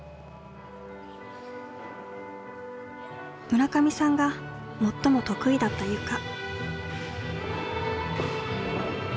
村上さんが最も得意だったゆか。